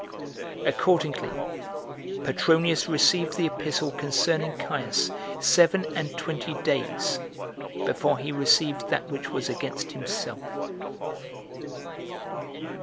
Accordingly, Petronins received the epistle concerning Caius seven and twenty days before he received that which was against himself.